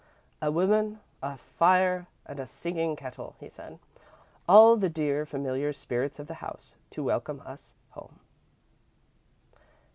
"A woman, a fire, and a singing kettle," he said. "All the dear, familiar spirits of the house to welcome us home."